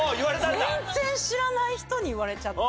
全然知らない人に言われちゃって。